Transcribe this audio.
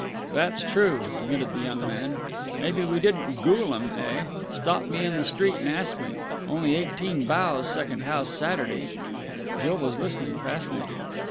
"That's true," admitted the young man. "Maybe we didn't gool 'em, eh? Stop me on the street and ask me! Only eighteen bows second house Saturday!" Jill was listening, fascinated.